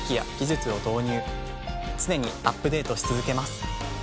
常にアップデートし続けます。